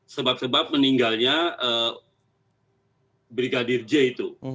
sebab sebab meninggalnya brigadir j itu